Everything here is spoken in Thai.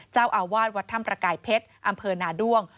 เจ้าอาวาสวัดถ้ำประกายเพชรอำเภอนาด้วง